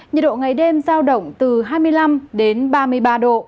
nhiệt độ ngày đêm giao động từ hai mươi năm đến ba mươi ba độ